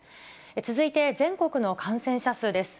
続いて、全国の感染者数です。